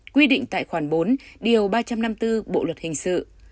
quy định tại khoản bốn điều ba trăm năm mươi bốn bộ luật hình sự